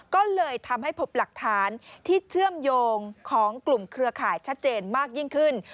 ก็เลยทำให้พบหลักฐานที่เชื่อมโยงของกลุ่มเครือข่ายชัดเจนมากยิ่งขึ้น